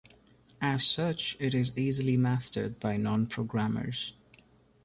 As such it is easily mastered by non-programmers.